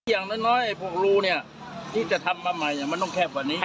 อย่างน้อยพวกรูเนี่ยที่จะทำมาใหม่มันต้องแคบกว่านี้